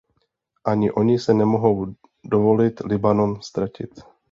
Ani oni si nemohou dovolit Libanon ztratit.